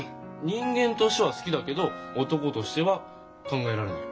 「人間としては好きだけど男としては考えられない」。